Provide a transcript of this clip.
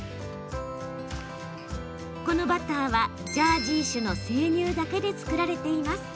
このバターは、ジャージー種の生乳だけで作られています。